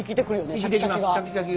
シャキシャキが。